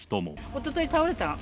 おととい倒れた。